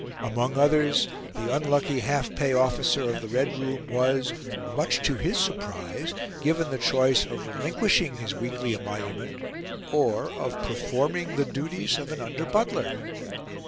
Among others, the unlucky half pay officer of the Red Room was, much to his surprise, given the choice of relinquishing his weekly emolument or of performing the duties of an under butler.